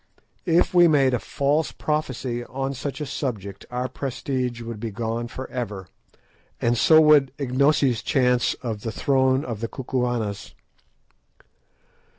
If we made a false prophecy on such a subject, our prestige would be gone for ever, and so would Ignosi's chance of the throne of the Kukuanas.